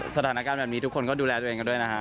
สถานการณ์แบบนี้ทุกคนก็ดูแลตัวเองกันด้วยนะฮะ